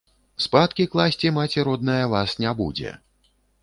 Спаткі класці маці родная вас не будзе.